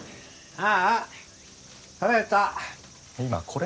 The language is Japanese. ああ。